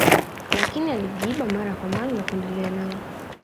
lakini alijiiba mara kwa mara na kuendelea nao